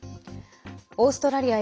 オーストラリア